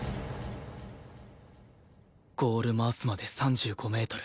ゴールマウスまで３５メートル